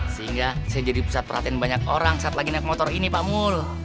sehingga saya jadi pusat perhatian banyak orang saat lagi naik motor ini pak mul